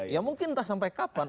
ya mungkin entah sampai kapan